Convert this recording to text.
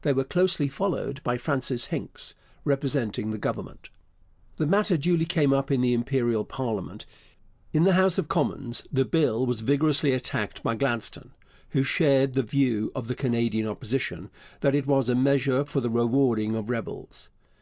They were closely followed by Francis Hincks, representing the Government. The matter duly came up in the Imperial parliament. In the House of Commons the Bill was vigorously attacked by Gladstone, who shared the view of the Canadian Opposition that it was a measure for the rewarding of rebels.